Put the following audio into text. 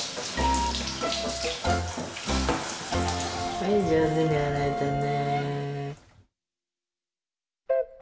・はいじょうずにあらえたね。